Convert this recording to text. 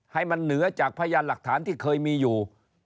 ให้มันเหนือจากพยานหลักฐานที่เคยมีอยู่